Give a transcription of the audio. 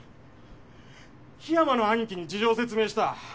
黄山のアニキに事情を説明した。